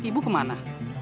ibu dari mana